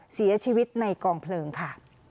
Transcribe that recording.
เสียชีวิตในกองเพลิงค่ะ